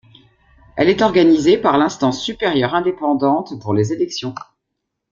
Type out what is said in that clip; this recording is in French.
Elle est organisée par l'Instance supérieure indépendante pour les élections.